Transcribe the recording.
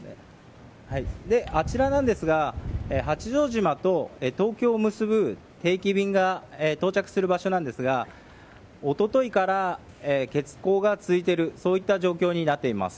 あちらなんですが八丈島と東京を結ぶ定期便が到着する場所なんですがおとといから欠航が続いている状況になっています。